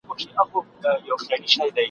« ګیدړ چي مخ پر ښار ځغلي راغلی یې اجل دی» ..